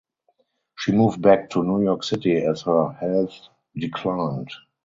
She moved back to New York City as her health declined.